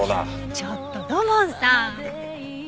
ちょっと土門さん！